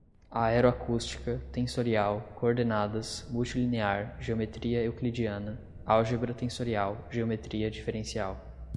aeroacústica, tensorial, coordenadas, multilinear, geometria euclidiana, álgebra tensorial, geometria diferencial